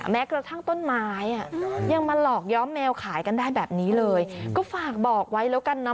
แม้กระทั่งต้นไม้อ่ะยังมาหลอกย้อมแมวขายกันได้แบบนี้เลยก็ฝากบอกไว้แล้วกันนะ